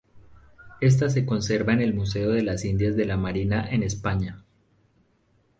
Esta se conserva en el museo de las Indias de la Marina en España.